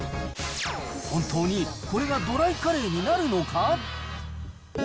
本当にこれがドライカレーになるのか。